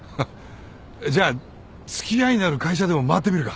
じゃあ付き合いのある会社でも回ってみるか。